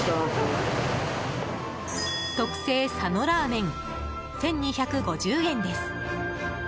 特製佐野らーめん１２５０円です。